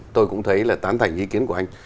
tôi cũng thấy là tán thành ý kiến của anh